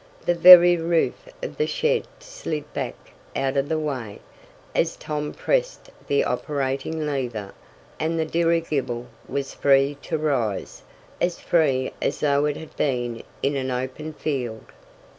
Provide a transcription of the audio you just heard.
The very roof of the shed slid back out of the way, as Tom pressed the operating lever, and the dirigible was free to rise as free as though it had been in an open field.